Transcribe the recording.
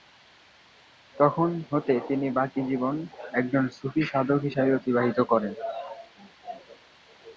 তখন হতে তিনি বাকি জীবন একজন সুফি সাধক হিসাবে অতিবাহিত করেন।